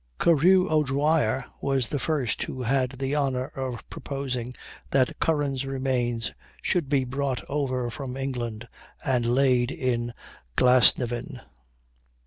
Carew O'Dwyer was the first who had the honor of proposing that Curran's remains should be brought over from England and laid in Glasnevin.